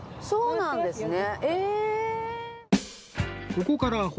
そうなんです。